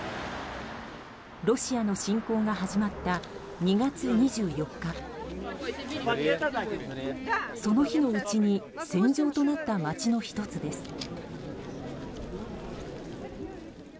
ロシアの侵攻が始まった２月２４日その日のうちに戦場となった街の１つです。